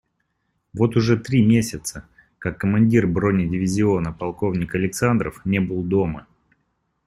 Вот уже три месяца, как командир бронедивизиона полковник Александров не был дома.